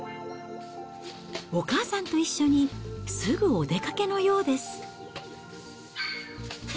お母さんと一緒に、すぐお出かけのようです。